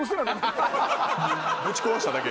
ぶち壊しただけ。